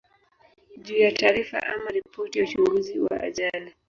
juu ya taarifa ama ripoti ya uchunguzi wa ajali